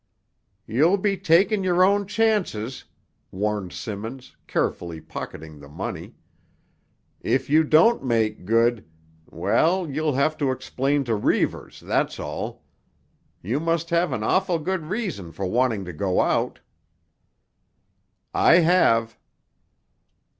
"You'll be taking your own chances," warned Simmons, carefully pocketing the money. "If you don't make good—well, you'll have to explain to Reivers, that's all. You must have an awful good reason for wanting to go out." "I have."